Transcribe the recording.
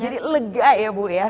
jadi lega ya bu